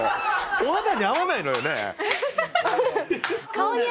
お肌に合わないのよね？